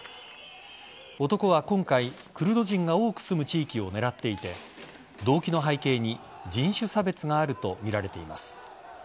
男は今回クルド人が多く住む地域を狙っていて動機の背景に人種差別があるとみられています。